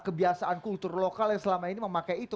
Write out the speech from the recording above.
kebiasaan kultur lokal yang selama ini memang pakai itu